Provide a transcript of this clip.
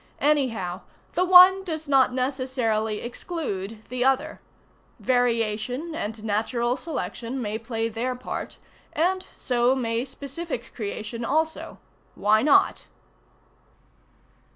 Anyhow, the one does not necessarily exclude the other. Variation and natural selection may play their part, and so may specific creation also. Why not?